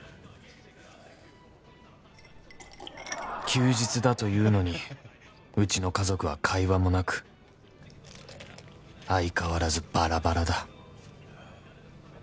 ［休日だというのにうちの家族は会話もなく相変わらずばらばらだ］